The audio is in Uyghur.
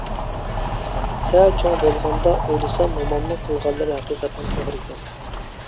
سەل چوڭ بولغاندا ئويلىسام مومامنىڭ قىلغانلىرى ھەقىقەتەن توغرىكەن.